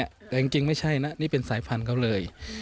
แต่เมื่อกี๊มัพ่อว่นี้ไก่ไม่ใช่นะนี่เป็นสายพันธุ์เค้าเลย